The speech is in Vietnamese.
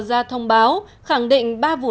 ra thông báo khẳng định ba vụ